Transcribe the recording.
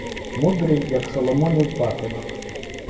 Мудрий, як Соломонів патинок.